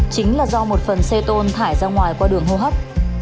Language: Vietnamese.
chính là do một phần cetone thải ra ngoài qua đường hô hấp